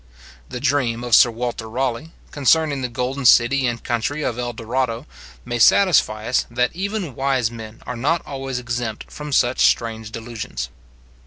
The dream of Sir Waiter Raleigh, concerning the golden city and country of El Dorado, may satisfy us, that even wise men are not always exempt from such strange delusions.